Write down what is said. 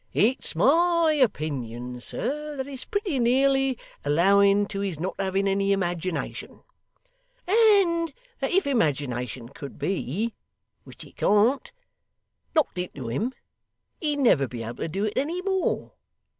It's my opinion, sir, that it's pretty nearly allowing to his not having any imagination; and that if imagination could be (which it can't) knocked into him, he'd never be able to do it any more.